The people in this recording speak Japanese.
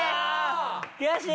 悔しい。